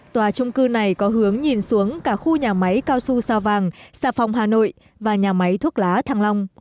tòa trung cư này có hướng nhìn xuống cả khu nhà máy cao xu sao vàng xà phòng hà nội và nhà máy thuốc lá thăng long